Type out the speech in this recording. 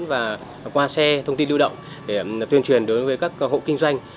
và qua xe thông tin lưu động để tuyên truyền đối với các hộ kinh doanh